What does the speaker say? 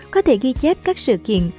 có thể ghi chép các sự kiện